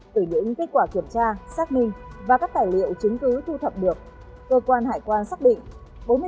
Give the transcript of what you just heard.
từ những kết quả kiểm tra xác minh và các tài liệu chứng cứ thu thập được cơ quan hải quan xác định